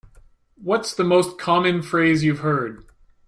What's the most common phrase you've heard?